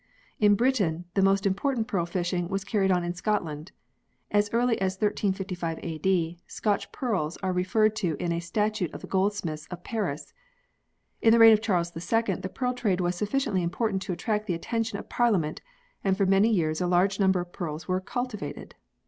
" In Britain the most important pearl fishing was carried on in Scotland. As early as 1355 A.D. Scotch pearls are referred to in a Statute of the goldsmiths of Paris. In the reign of Charles II the pearl trade was sufficiently important to attract the attention of Parliament, and for many years a large number of pearls were "cultivated."